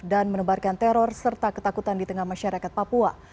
dan menebarkan teror serta ketakutan di tengah masyarakat papua